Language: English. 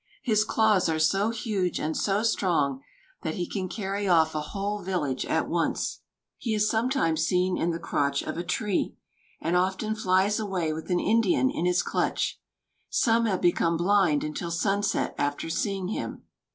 His claws are so huge and so strong that he can carry off a whole village at once. He is sometimes seen in the crotch of a tree, and often flies away with an Indian in his clutch. Some have become blind until sunset after seeing him.